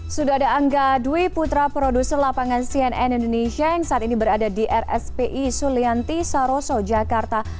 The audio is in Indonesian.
sudah ada angga dwi putra produser lapangan cnn indonesia yang saat ini berada di rspi sulianti saroso jakarta